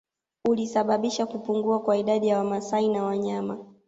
Ulisababisha kupungua kwa idadi ya Wamasai na wanyama